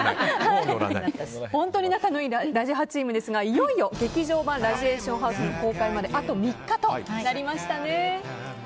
本当に仲のいい「ラジハ」チームですがいよいよ「劇場版ラジエーションハウス」の公開まであと３日となりましたね。